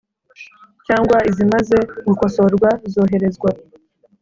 Cyangwa izimaze gukosorwa zoherezwa